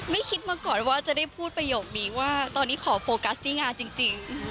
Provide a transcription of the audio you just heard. ไม่คิดมาก่อนว่าจะได้พูดประโยคนี้ว่าตอนนี้ขอโฟกัสที่งานจริง